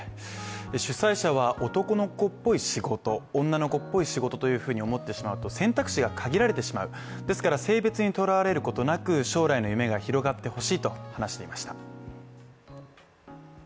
主催者は、男の子っぽい仕事、女の子っぽい仕事というふうに思ってしまうと、選択肢が限られてしまう、ですから、性別にとらわれることなく将来の夢が広がって欲しいと話していました。